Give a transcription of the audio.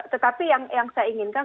tetapi yang saya inginkan